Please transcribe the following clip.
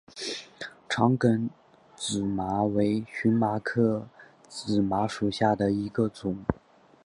长梗紫麻为荨麻科紫麻属下的一个种。